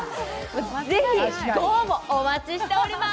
ぜひ、ご応募お待ちしております。